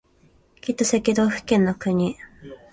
きっと赤道付近の国